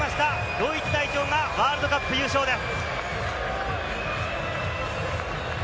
ドイツ代表がワールドカップ優勝です！